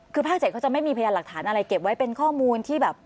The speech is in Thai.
คือภาค๗เขาจะไม่มีพยานหลักฐานอะไรเก็บไว้เป็นข้อมูลที่แบบ